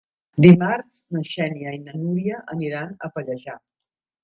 Dimarts na Xènia i na Núria aniran a Pallejà.